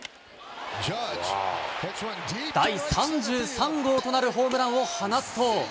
第３３号となるホームランを放つと。